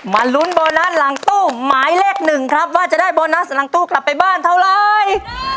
ลุ้นโบนัสหลังตู้หมายเลขหนึ่งครับว่าจะได้โบนัสหลังตู้กลับไปบ้านเท่าไร